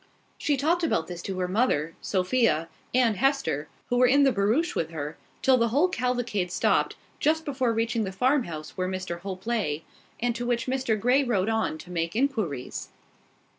She talked about this to her mother, Sophia, and Hester, who were in the barouche with her, till the whole cavalcade stopped, just before reaching the farmhouse where Mr Hope lay, and to which Mr Grey rode on to make inquiries.